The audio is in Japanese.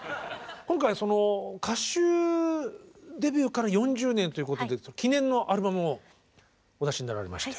今回はその歌手デビューから４０年ということで記念のアルバムをお出しになられまして。